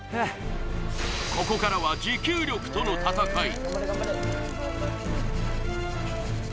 ここからは持久力との戦い